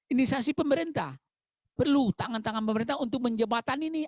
inisiasi pemerintah perlu tangan tangan pemerintah untuk menjembatan ini